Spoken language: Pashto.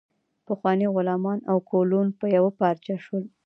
پخواني غلامان او کولون په یوه پارچه شول.